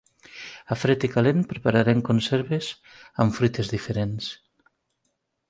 A Fred i Calent prepararem conserves amb fruites diferents.